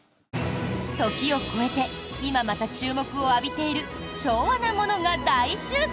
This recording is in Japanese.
時を越えて今また注目を浴びている昭和なものが大集結！